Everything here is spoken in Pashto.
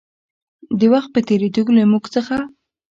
د وخـت پـه تېـرېدو لـه مـوږ څـخـه